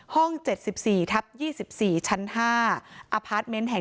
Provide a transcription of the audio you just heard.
ห้อง๗๔๒๔ชั้น๕